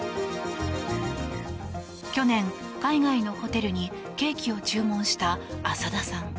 去年、海外のホテルにケーキを注文した麻田さん。